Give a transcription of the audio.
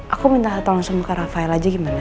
aku minta tolong langsung ke rafael aja gimana